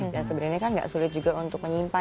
dan sebenarnya kan nggak sulit juga untuk menyimpan ya